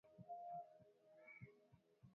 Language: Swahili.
wewe kama kocha unakuza vipaji vya wachezaji